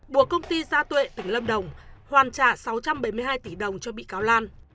buộc công ty gia tuệ tỉnh lâm đồng hoàn trả sáu trăm bảy mươi hai tỷ đồng cho bị cáo lan